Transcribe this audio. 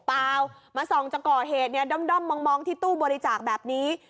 เปล่ามาส่องจะก่อเหตุเนี่ยด้อมมองที่ตู้บริจาคแบบนี้